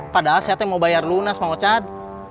padahal saya tuh mau bayar lunas mau cad